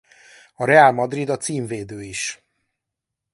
A Real Madrid a címvédő is.